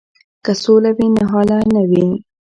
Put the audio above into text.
که سوله وي نو هاله نه وي.